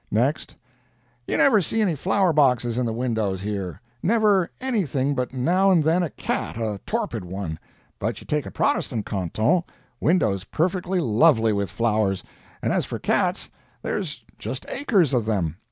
Next, "You never see any flower boxes in the windows, here never anything but now and then a cat a torpid one; but you take a Protestant canton: windows perfectly lovely with flowers and as for cats, there's just acres of them.